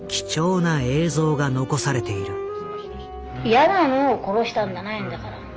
嫌なものを殺したんじゃないんだから。